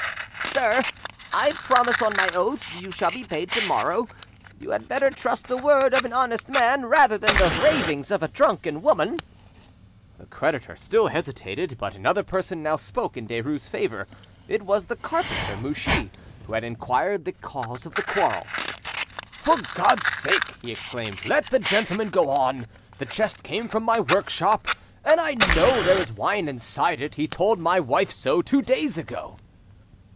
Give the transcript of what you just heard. "Sir, I promise on my oath you shall be paid tomorrow; you had better trust the word of an honest man rather than the ravings of a drunken woman." The creditor still hesitated, but, another person now spoke in Derues' favour; it was the carpenter Mouchy, who had inquired the cause of the quarrel. "For God's sake," he exclaimed, "let the gentleman go on. That chest came from my workshop, and I know there is wine inside it; he told my wife so two days ago."